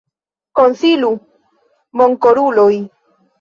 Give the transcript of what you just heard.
Konsilu, bonkoruloj!